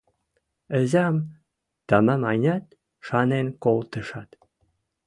Ӹзӓм тамам-ӓнят шанен колтышат: